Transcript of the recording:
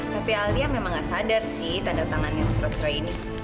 tapi alia memang gak sadar sih tanda tangan yang surat cerai ini